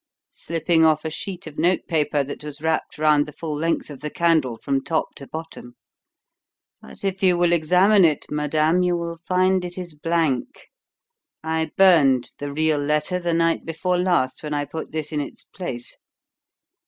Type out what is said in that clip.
slipping off a sheet of note paper that was wrapped round the full length of the candle from top to bottom, "but if you will examine it, madame, you will find it is blank. I burned the real letter the night before last when I put this in its place."